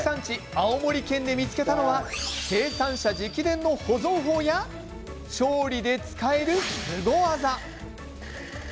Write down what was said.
青森県で見つけたのは生産者直伝の保存法や調理で使えるスゴ技。